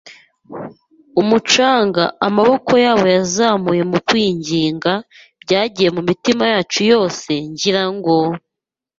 umucanga, amaboko yabo yazamuye mu kwinginga. Byagiye mumitima yacu yose, ngira ngo ,.